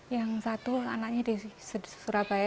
yang satu anaknya di surabaya